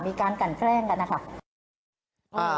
มีการกันแกล้งกันนะคะ